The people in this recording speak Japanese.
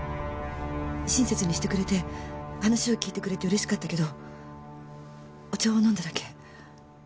親切にしてくれて話を聞いてくれて嬉しかったけどお茶を飲んだだけ。